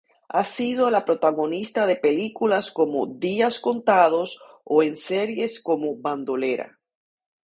Ha sido la protagonista de películas como "Días contados" o en series como "Bandolera".